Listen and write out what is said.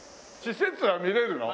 施設は見れるの？